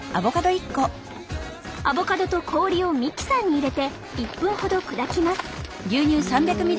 アボカドと氷をミキサーに入れて１分ほど砕きます。